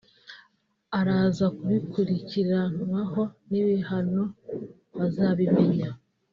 Araza kubikurikiranwaho n’ibihano bazabimenya